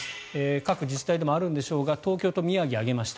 各自治体でもあるんでしょうが東京と宮城を挙げました。